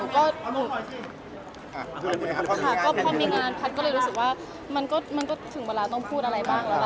ก็ค่ะก็พอมีงานแพทย์ก็เลยรู้สึกว่ามันก็ถึงเวลาต้องพูดอะไรบ้างแล้ว